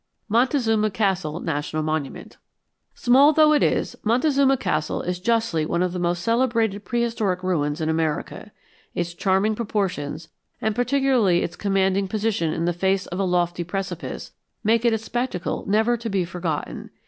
MONTEZUMA CASTLE NATIONAL MONUMENT Small though it is, Montezuma Castle is justly one of the most celebrated prehistoric ruins in America. Its charming proportions, and particularly its commanding position in the face of a lofty precipice, make it a spectacle never to be forgotten.